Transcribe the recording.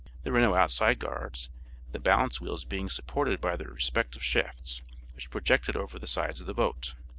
There were no outside guards, the balance wheels being supported by their respective shafts, which projected over the sides of the boat.